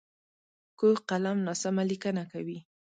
کوږ قلم ناسمه لیکنه کوي